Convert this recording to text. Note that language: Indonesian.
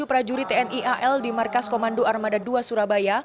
tiga ratus dua puluh tujuh prajurit tni al di markas komando armada dua surabaya